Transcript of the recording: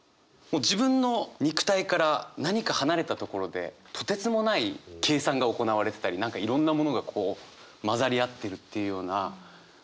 自分の肉体から何か離れたところでとてつもない計算が行われてたり何かいろんなものがこう混ざり合ってるっていうような感じがね